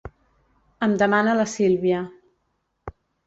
Em demana la Sílvia.